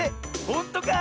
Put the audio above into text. ほんとか？